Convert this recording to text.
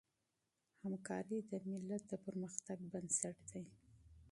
همکاري د ملت د پرمختګ بنسټ دی.